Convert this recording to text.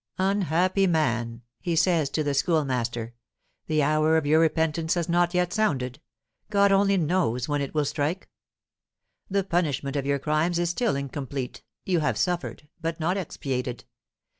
"Unhappy man," he says to the Schoolmaster, "the hour of your repentance has not yet sounded. God only knows when it will strike. The punishment of your crimes is still incomplete; you have suffered, but not expiated.